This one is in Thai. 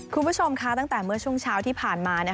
คุณผู้ชมค่ะตั้งแต่เมื่อช่วงเช้าที่ผ่านมา